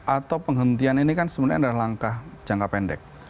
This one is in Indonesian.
atau penghentian ini kan sebenarnya adalah langkah jangka pendek